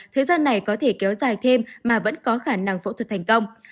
thời gian này có thể kéo dài thêm mà vẫn có khả năng phẫu thuật thành công